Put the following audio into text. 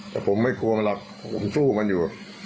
แต่ผมไม่กลัวมันหรอกผมสู้มันอยู่